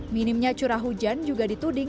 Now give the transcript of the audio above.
minimnya curah hujan juga dituding